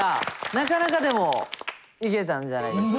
なかなかでもいけたんじゃないですか。